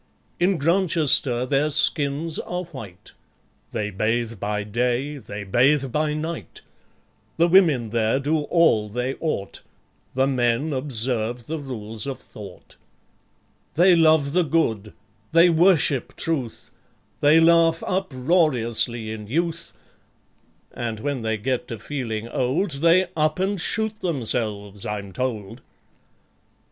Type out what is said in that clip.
In Grantchester their skins are white; They bathe by day, they bathe by night; The women there do all they ought; The men observe the Rules of Thought. They love the Good; they worship Truth; They laugh uproariously in youth; (And when they get to feeling old, They up and shoot themselves, I'm told) ...